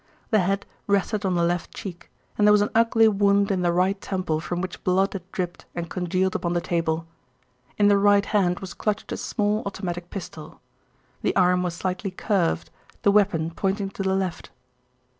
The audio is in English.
The head rested on the left cheek, and there was an ugly wound in the right temple from which blood had dripped and congealed upon the table. In the right hand was clutched a small, automatic pistol. The arm was slightly curved, the weapon pointing to the left.